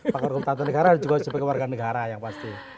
pakar hukum tata negara juga sebagai warga negara yang pasti